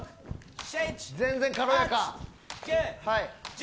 全然軽やか。